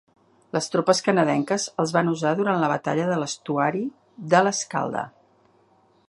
Les tropes canadenques els van usar durant la batalla de l'estuari de l'Escalda.